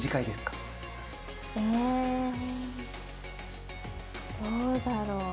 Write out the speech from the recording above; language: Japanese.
どうだろう。